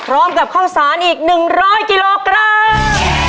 กับข้าวสารอีก๑๐๐กิโลกรัม